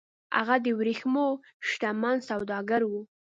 هغه د ورېښمو شتمن سوداګر و